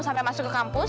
sampai masuk ke kampus